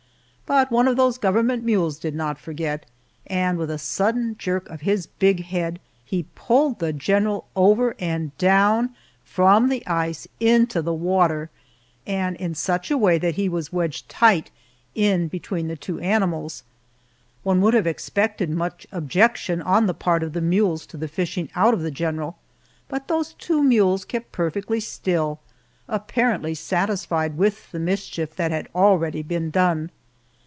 But one of those government mules did not forget, and with a sudden jerk of his big head he pulled the general over and down from the ice into the water, and in such a way that he was wedged tight in between the two animals. One would have expected much objection on the part of the mules to the fishing out of the general, but those two mules kept perfectly still, apparently satisfied with the mischief that had already been done.